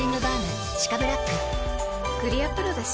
クリアプロだＣ。